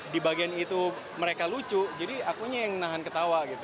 di bagian itu mereka lucu jadi akunya yang nahan ketawa gitu